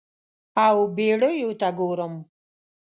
او بیړیو ته ګورم